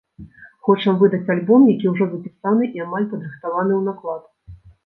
Хочам выдаць альбом, які ўжо запісаны і амаль падрыхтаваны ў наклад.